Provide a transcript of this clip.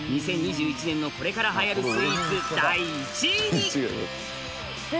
２０２１年のこれからはやるスイーツ第１位に！